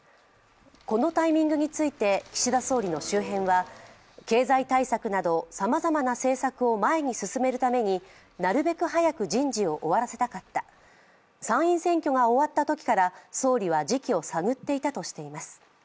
このタイミングについて岸田総理の周辺は経済対策などさまざまな政策を前に進めるために、なるべく早く人事を終わらせたかった、参院選挙が終わったときから総理は時期を探っていたとしています。